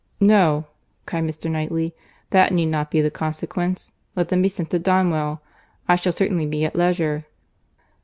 "No," cried Mr. Knightley, "that need not be the consequence. Let them be sent to Donwell. I shall certainly be at leisure."